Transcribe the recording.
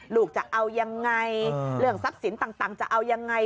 ลูกจะเอายังไงเรื่องทรัพย์สินต่างจะเอายังไง